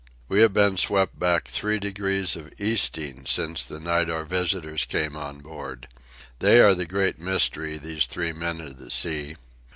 We have been swept back three degrees of easting since the night our visitors came on board. They are the great mystery, these three men of the sea.